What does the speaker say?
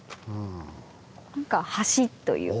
なんか橋というか。